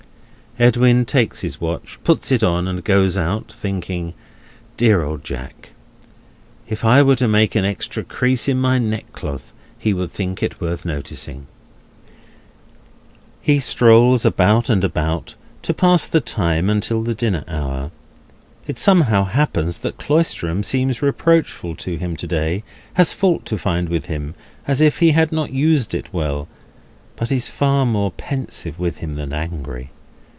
Edwin takes his watch, puts it on, and goes out, thinking: "Dear old Jack! If I were to make an extra crease in my neckcloth, he would think it worth noticing!" He strolls about and about, to pass the time until the dinner hour. It somehow happens that Cloisterham seems reproachful to him to day; has fault to find with him, as if he had not used it well; but is far more pensive with him than angry.